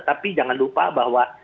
tapi jangan lupa bahwa